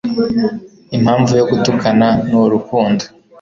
Impamvu yo gutukana nurukundo